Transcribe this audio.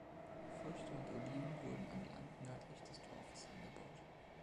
Früchte und Oliven wurden am Land nördlich des Dorfes angebaut.